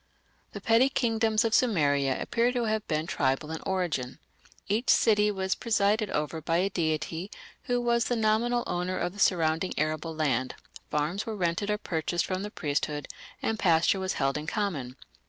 The petty kingdoms of Sumeria appear to have been tribal in origin. Each city was presided over by a deity who was the nominal owner of the surrounding arable land, farms were rented or purchased from the priesthood, and pasture was held in common.